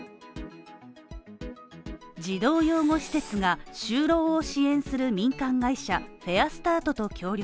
児童養護施設が就労を支援する民間会社フェアスタートと協力。